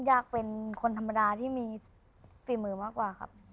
อยากเป็นคนธรรมดาที่มีฝีมือมากกว่าครับ